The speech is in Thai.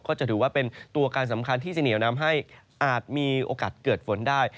ก็จะถือว่าเป็นตัวการสำคัญที่จะเหนียวนำให้อาจมีโอกาสเกิดฝนได้